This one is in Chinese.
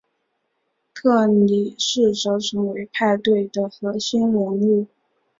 特里试着成为派对的核心人物。